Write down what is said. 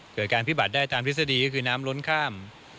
เกิดการพิบัติได้ตามทฤษฎีก็คือน้ำล้นข้าม